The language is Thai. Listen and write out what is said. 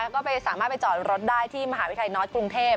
ก็สามารถจรรถใช้ได้ที่มหาวิทยาลานซ์นอร์ดกรุงเทพฯ